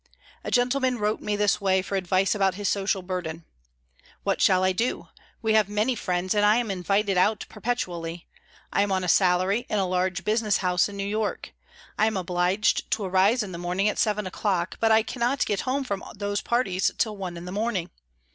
A gentleman wrote me this way for advice about his social burden: "What shall I do? We have many friends, and I am invited out perpetually. I am on a salary in a large business house in New York. I am obliged to arise in the morning at seven o'clock, but I cannot get home from those parties till one in the morning.